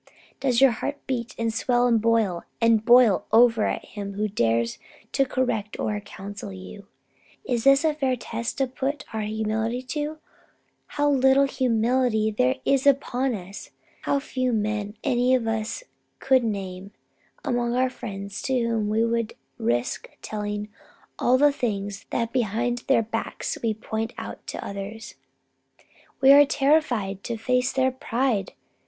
Does your heart beat, and swell, and boil, and boil over at him who dares to correct or counsel you? If this is a fair test to put our humility to, how little humility there is among us! How few men any of us could name among our friends to whom we would risk telling all the things that behind their backs we point out continually to others? We are terrified to face their pride.